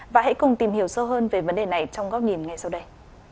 và hãy cùng tìm hiểu sâu hơn về vấn đề này trong góc nhìn ngay sau đây